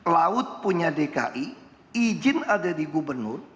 laut punya dki izin ada di gubernur